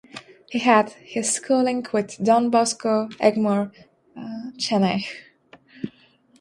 He had his schooling with Don Bosco, Egmore, Chennai.